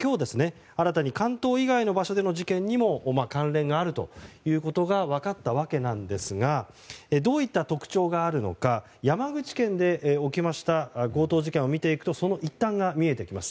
今日、新たに関東以外の場所での事件にも関連があるということが分かったわけですがどういった特徴があるのか山口県で起きました強盗事件を見ていくとその一端が見えてきます。